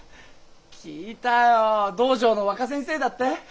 聞いたよ道場の若先生だって？